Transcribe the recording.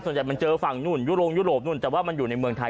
บ้านส่วนใหญ่มันเจอฝั่งยุโรปนู่นแต่ว่ามันอยู่ในเมืองไทย